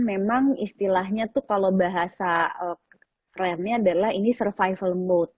memang istilahnya tuh kalau bahasa kerennya adalah ini survival mode